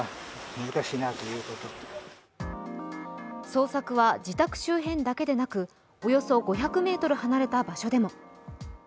捜索は自宅周辺だけでなくおよそ５００ｍ離れた場所でも。